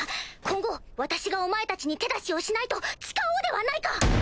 今後私がお前たちに手出しをしないと誓おうではないか！